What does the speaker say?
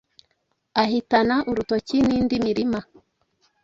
ahitana urutoki n’indi mirima,